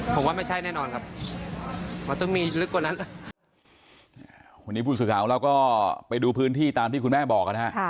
ผมว่าไม่ใช่แน่นอนครับมันต้องมีลึกกว่านั้นวันนี้ผู้สื่อข่าวเราก็ไปดูพื้นที่ตามที่คุณแม่บอกนะฮะ